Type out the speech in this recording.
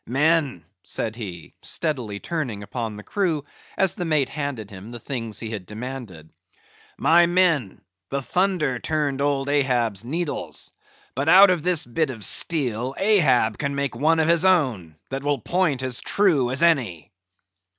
"Men," said he, steadily turning upon the crew, as the mate handed him the things he had demanded, "my men, the thunder turned old Ahab's needles; but out of this bit of steel Ahab can make one of his own, that will point as true as any."